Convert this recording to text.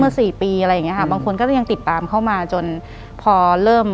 หลังจากนั้นเราไม่ได้คุยกันนะคะเดินเข้าบ้านอืม